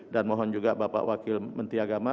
dan mohon juga bapak wakil menteri agama